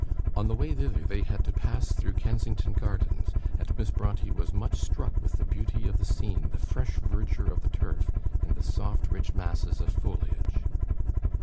On the way thither, they had to pass through Kensington Gardens, and Miss Brontë was much "struck with the beauty of the scene, the fresh verdure of the turf, and the soft rich masses of foliage."